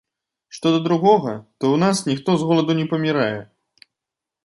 Што да другога, то ў нас ніхто з голаду не памірае!